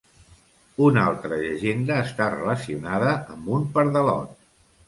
Una altra llegenda està relacionada amb un Pardalot.